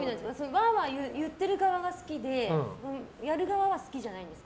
ワーワー言ってる側が好きでやる側は好きじゃないんです。